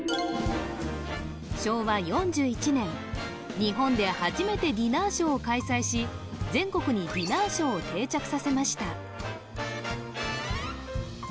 日本で初めてディナーショーを開催し全国にディナーショーを定着させました